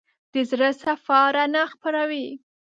د زړه صفا رڼا خپروي.